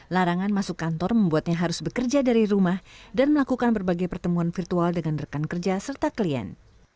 larangan masuk kantor membuatnya harus bekerja dari rumah dan melakukan berbagai pertemuan virtual dengan rekan kerja serta klien